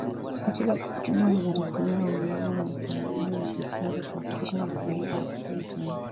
katika mikutano hadhara tume ya uwiano na utangamano iko chonjo kuhakikisha machafuko hayatokei tena